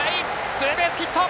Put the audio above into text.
ツーベースヒット！